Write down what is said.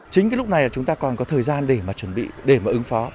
chính cái lúc này là chúng ta còn có thời gian để mà chuẩn bị để mà ứng phó